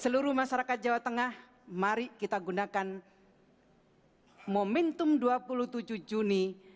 seluruh masyarakat jawa tengah mari kita gunakan momentum dua puluh tujuh juni